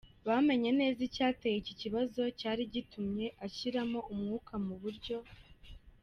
bamenye neza icyateye iki kibazo cyari gitumye ashiramo umwuka mu buryo.